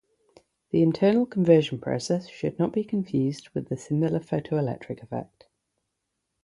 The internal conversion process should not be confused with the similar photoelectric effect.